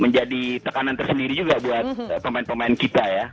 menjadi tekanan tersendiri juga buat pemain pemain kita ya